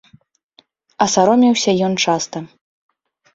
А саромеўся ён часта.